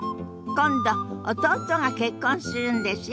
今度弟が結婚するんですよ。